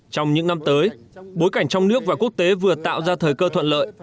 trong những năm tới bối cảnh trong nước và quốc tế vừa tạo ra thời cơ thuận lợi